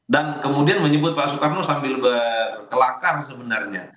dan kemudian menyebut pak soekarno sambil berkelakar sebenarnya